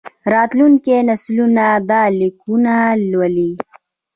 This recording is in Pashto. راتلونکي نسلونه دا لیکونه لولي.